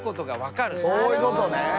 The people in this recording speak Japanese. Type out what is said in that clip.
そういうことね。